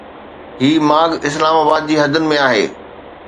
هي ماڳ اسلام آباد جي حدن ۾ آهي